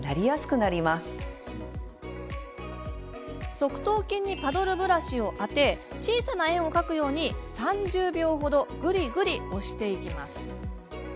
側頭筋にパドルブラシを当て小さな円を描くように３０秒程ぐりぐり押していきます。